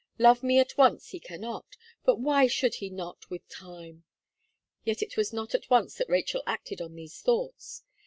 Love me at once he cannot; but why should he not with time?" Yet it was not at once that Rachel acted on these thoughts.